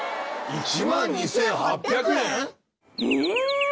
１万２８００円⁉え！